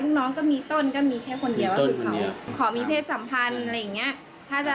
บางทีหนูรับแล้วหนูไม่พูด